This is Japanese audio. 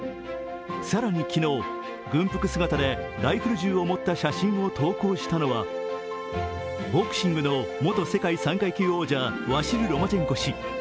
更に昨日、軍服姿でライフル銃を持った写真を投稿したのはボクシングの元世界３階級王者ワシル・ロマチェンコ氏。